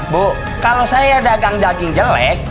bu kalau saya dagang daging jelek